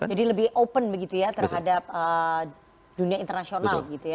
jadi lebih open begitu ya terhadap dunia internasional gitu ya